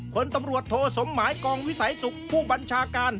คนตำรวจโทสมหมายกองวิสัยสุขผู้บัญชาการ